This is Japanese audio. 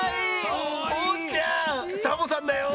おうちゃんサボさんだよ。